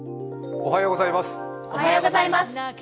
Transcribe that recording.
おはようございます。